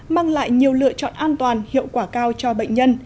mang lại nhiều lựa chọn an toàn hiệu quả cao cho bệnh nhân